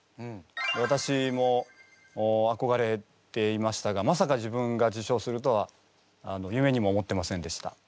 わたしもあこがれていましたがまさか自分が受賞するとは夢にも思ってませんでした。